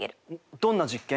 どんな実験？